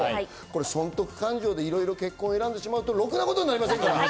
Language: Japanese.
損得勘定で結婚を選んでしまうとろくなことになりませんから。